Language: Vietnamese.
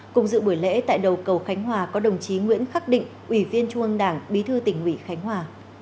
cùng dự buổi lễ tại đầu cầu khánh hòa có đồng chí nguyễn khắc định ủy viên trung ương đảng bí thư tỉnh ủy khánh hòa